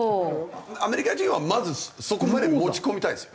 アメリカ人はまずそこまで持ち込みたいですよ。